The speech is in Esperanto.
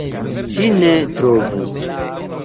Ŝi ne trovu!